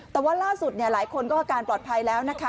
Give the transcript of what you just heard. แต่ว่าล่าสุดหลายคนก็อาการปลอดภัยแล้วนะคะ